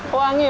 bukan di gini